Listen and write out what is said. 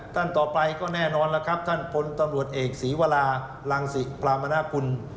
ท่านต่อไปก็แน่นอนแล้วครับท่านพลตำรวจเอกศรีวรารังศิพรามนาคุณ